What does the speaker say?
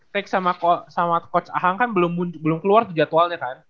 take sama coach ahang kan belum keluar tuh jadwalnya kan